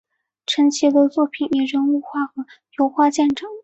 陈奇的作品以人物画和油画见长。